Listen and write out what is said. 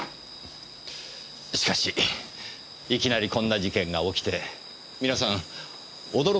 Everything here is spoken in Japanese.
しかしいきなりこんな事件が起きて皆さん驚かれたでしょうねぇ？